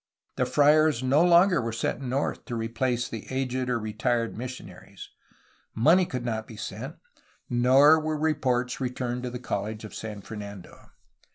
The friars no longer were sent north to replace the aged INLAND EXPLORATIONS AND INDIAN WARS 427 or retired missionaries; money could not be sent, nor were reports returned to the College of San Fernando.